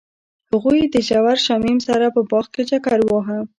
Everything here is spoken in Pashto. هغوی د ژور شمیم سره په باغ کې چکر وواهه.